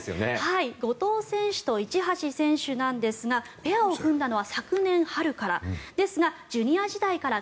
後藤選手と市橋選手なんですがペアを組んだのは昨年春からですがジュニア時代から